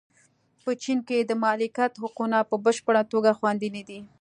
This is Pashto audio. په چین کې د مالکیت حقونه په بشپړه توګه خوندي نه دي.